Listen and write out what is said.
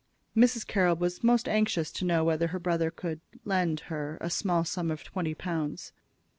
Mrs. Carroll was most anxious to know whether her brother could "lend" her a small sum of twenty pounds.